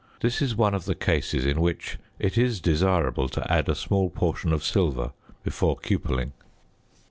This is one of the cases in which it is desirable to add a small portion of silver before cupelling.